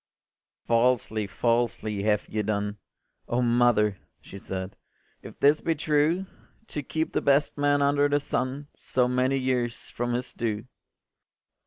” “Falsely, falsely have ye done, O mother,” she said, “if this be true, To keep the best man under the sun So many years from his due.